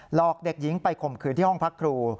หลอกเด็กหญิงไปข่มขืนที่ห้องพักครู